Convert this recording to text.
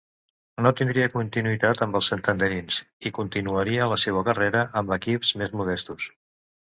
No tindria continuïtat amb els santanderins, i continuaria la seua carrera en equips més modestos.